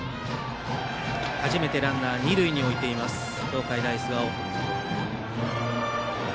初めてランナーを二塁に置いています東海大菅生。